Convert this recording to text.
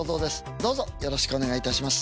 どうぞよろしくお願い致します。